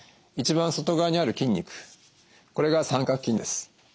一番外側にある筋肉これが三角筋です。